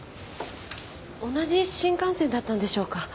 同じ新幹線だったんでしょうか？